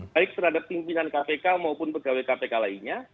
baik terhadap pimpinan kpk maupun pegawai kpk lainnya